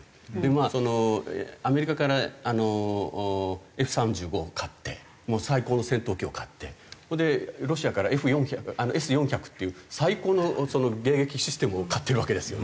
まあそのアメリカからＦ−３５を買って最高の戦闘機を買ってそれでロシアからＳ−４００っていう最高の迎撃システムを買ってるわけですよ。